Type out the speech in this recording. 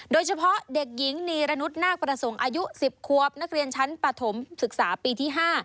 โดยเฉพาะเด็กหญิงนีรนุษย์นาคประสงค์อายุ๑๐ควบนักเรียนชั้นปฐมศึกษาปีที่๕